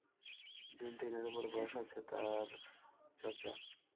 জ্বীন- টিনের উপর বশ আছে তার, চাচা।